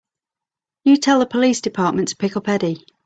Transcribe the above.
You tell the police department to pick up Eddie.